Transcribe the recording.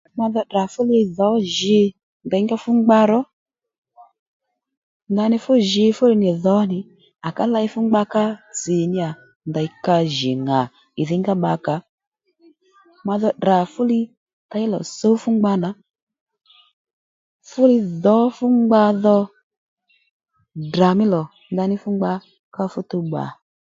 Ma dho tdrà fúli dhǒ jǐ nděyngá fú ngba ró ndaní fú jǐ fúli nì dhǒ nì à ká ley fú ngba ká tsì níyà ndèy ka jì ŋà ìdhíngá bbakǎ ma dho tdrà fúli těy lò sǔw fú ngba nà fúli dhǒ fú ngba dho Ddrà mí lò ndaní fú ngba ka fú tuw bbà